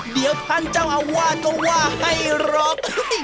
เดี๋ยวท่านเจ้าอาวาสก็ว่าให้หรอก